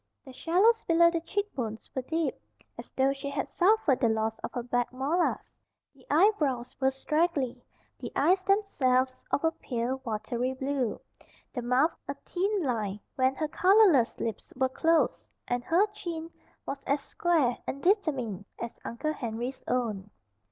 The shallows below the cheekbones were deep, as though she had suffered the loss of her back molars. The eyebrows were straggly; the eyes themselves of a pale, watery blue; the mouth a thin line when her colorless lips were closed; and her chin was as square and determined as Uncle Henry's own.